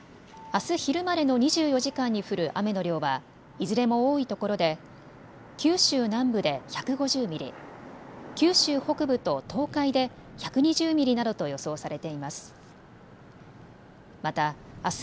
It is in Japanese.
あす昼までの２４時間に降る雨の量はいずれも多いところで九州南部で１５０ミリ、九州北部と東海で１２０ミリなどと予想されています。